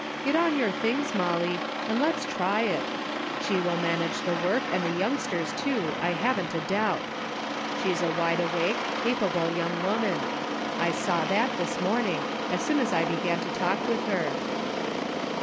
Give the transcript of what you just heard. Get on your things, Molly, and let's try it. She will manage the work and the young sters too, I haven't a doubt. She's a wide awake, capable young woman ; I saw that this morning, as soon as I began to talk with her."